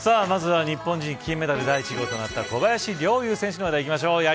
まずは、日本人金メダル第１号となった、小林陵侑選手からいきましょう。